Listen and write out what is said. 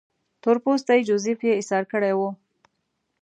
تور پوستی جوزیف یې ایسار کړی وو.